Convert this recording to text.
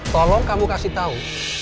tolong kamu kasih tau